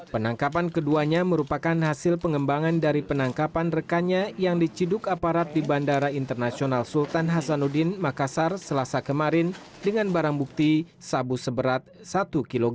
penangkapan keduanya merupakan hasil pengembangan dari penangkapan rekannya yang diciduk aparat di bandara internasional sultan hasanuddin makassar selasa kemarin dengan barang bukti sabu seberat satu kg